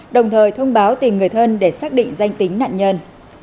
đồng thời thông báo tìm người thân để xác định danh tính nạn nhân